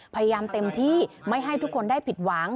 พยายามเต็มที่ไม่ให้ทุกคนได้ผิดหวัง